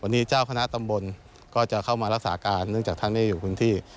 วันนี้เจ้าคณะตำบลก็จะเข้ามารักษาการเนื่องจากท่านได้อยู่พื้นที่